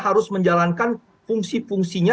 harus menjalankan fungsi fungsinya